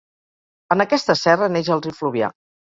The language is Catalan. En aquesta serra neix el riu Fluvià.